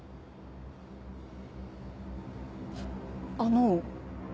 あの。